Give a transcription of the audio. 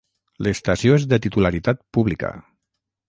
L'estació és de titularitat pública.